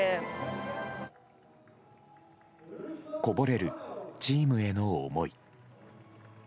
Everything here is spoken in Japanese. こぼれるチームへの思い。